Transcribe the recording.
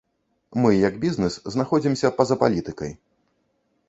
Мы, як бізнес, знаходзімся па-за палітыкай.